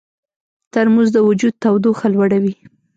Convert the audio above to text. ترموز د وجود تودوخه لوړوي.